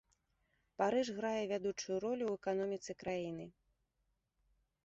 Парыж грае вядучую ролю ў эканоміцы краіны.